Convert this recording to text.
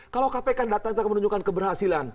kalau kpk datang menunjukkan keberhasilan